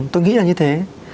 tôi nghĩ là như thế